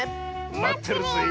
まってるぜえ。